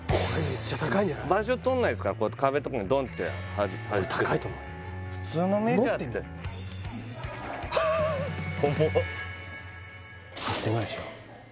場所取んないですからこうやって壁とかにドンって高いと思うよ持ってみ普通のメジャーって重っ８０００円ぐらいっしょ